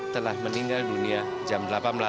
telah meninggal dunia jam delapan belas